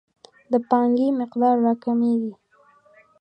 د پانګې مقدار راکمیږي.